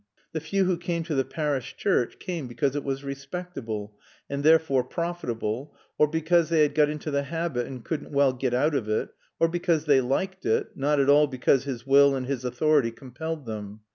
The few who came to the parish church came because it was respectable and therefore profitable, or because they had got into the habit and couldn't well get out of it, or because they liked it, not at all because his will and his authority compelled them.